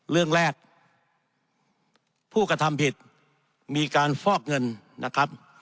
เรื่องแรกผู้กระทำผิดมีการฟอกเงินนะครับ